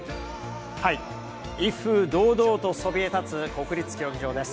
威風堂々とそびえ立つ国立競技場です。